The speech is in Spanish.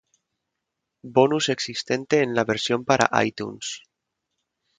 Bonus existente en la versión para iTunes